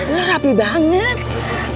lo rapi banget